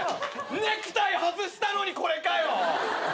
ネクタイ外したのにこれかよ！